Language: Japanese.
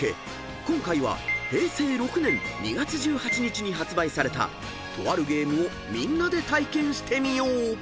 今回は平成６年２月１８日に発売されたとあるゲームをみんなで体験してみよう］